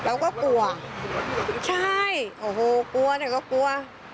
แล้วก็กลัวใช่โอ้โหกลัวแต่ก็กลัว